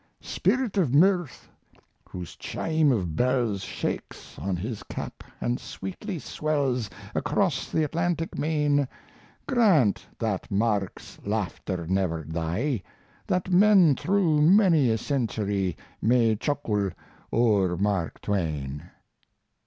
Spirit of Mirth, whose chime of bells Shakes on his cap, and sweetly swells Across the Atlantic main, Grant that Mark's laughter never die, That men through many a century May chuckle o'er Mark Twain!